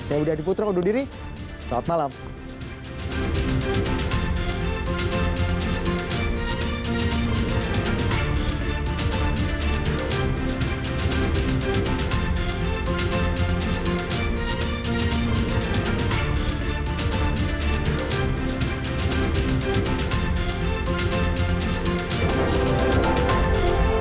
saya widi adi putra kondol diri selamat malam